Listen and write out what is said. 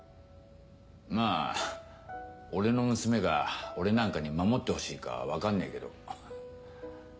まぁ俺の娘が俺なんかに守ってほしいか分かんねえけど。